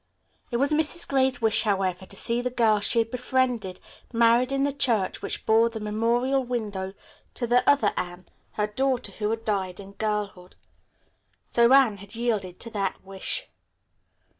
It was Mrs. Gray's wish, however, to see the girl she had befriended married in the church which bore the memorial window to the other Anne, her daughter, who had died in her girlhood. So Anne had yielded to that wish.